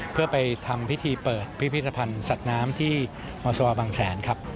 เพื่อไปทำพิธีเปิดพิพิธภัณฑ์สัตว์น้ำที่มศวบางแสนครับ